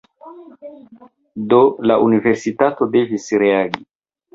Do, la universitato devis reagi